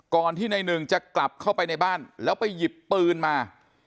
ที่ในหนึ่งจะกลับเข้าไปในบ้านแล้วไปหยิบปืนมา